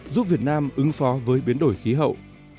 giúp việt nam ứng phó với biến đổi khí hậu